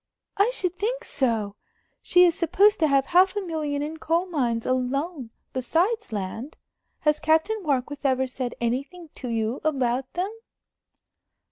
"I should think so. She is supposed to have half a million in coal mines alone, besides land. Has Captain Warkworth ever said anything to you about them?"